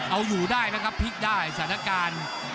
เอาอยู่ได้นะครับพลิกได้สถานการณ์